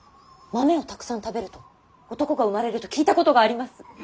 豆をたくさん食べると男が生まれると聞いたことがあります。